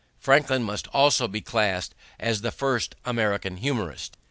Franklin must also be classed as the first American humorist.